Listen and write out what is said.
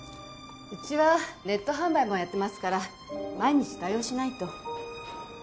うちはネット販売もやってますから毎日対応しないと。